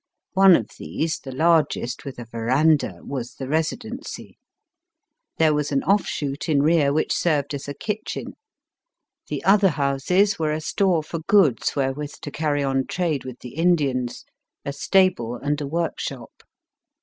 One of these the largest, with a verandah was the Residency. There was an offshoot in rear which served as a kitchen. The other houses were a store for goods wherewith to carry on trade with the Indians, a stable, and a workshop.